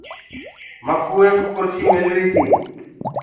مڪوُ ايڪ ڪُرسي ملري تي۔